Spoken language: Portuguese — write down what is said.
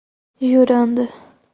Juranda